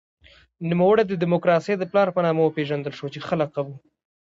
نوموړی د دموکراسۍ د پلار په نامه وپېژندل شو چې ښه لقب و.